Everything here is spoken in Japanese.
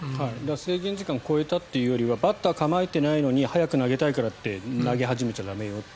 制限時間を超えたというよりはバッター構えてないのに早く投げたいからって投げ始めちゃ駄目よと。